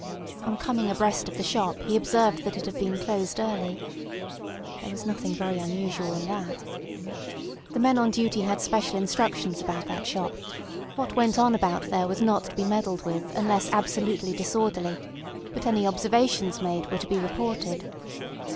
On coming abreast of the shop he observed that it had been closed early. There was nothing very unusual in that. The men on duty had special instructions about that shop: what went on about there was not to be meddled with unless absolutely disorderly, but any observations made were to be reported.